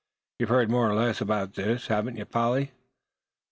You've heard more or less about this, too, haven't you, Polly?"